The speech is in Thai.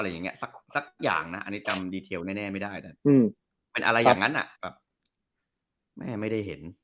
เรื่องนี้อย่าหไปไปแต่ความรับว่าไม่ได้เห็น